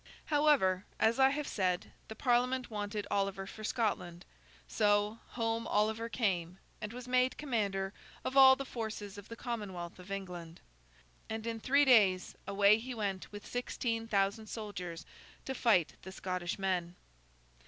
However, as I have said, the Parliament wanted Oliver for Scotland; so, home Oliver came, and was made Commander of all the Forces of the Commonwealth of England, and in three days away he went with sixteen thousand soldiers to fight the Scottish men.